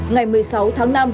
ngày một mươi sáu tháng năm